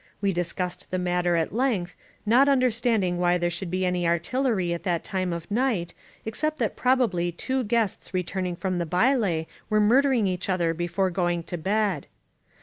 We dis cussed the matter at length, not understanding why there should be any artillery at that time of night, ex cept that probably two guests returning from the baile were murdering each other before going to bed.